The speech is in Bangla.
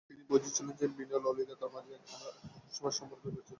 তিনি বুঝিয়াছিলেন যে, বিনয় ও ললিতার মাঝখানে একটি রহস্যময় সম্বন্ধ ছিল।